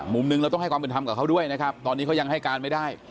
มุมหนึ่งเราต้องให้ความเป็นธรรมกับเขาด้วยนะครับตอนนี้เขายังให้การไม่ได้